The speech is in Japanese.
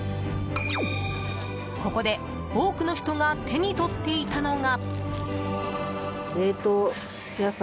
ここで多くの人が手に取っていたのが。